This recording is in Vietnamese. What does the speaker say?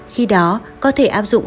khi đó có thể áp dụng